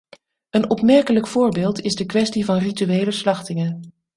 Een opmerkelijk voorbeeld is de kwestie van rituele slachtingen.